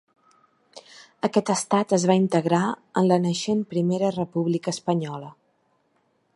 Aquest estat es va integrar en la naixent primera república espanyola.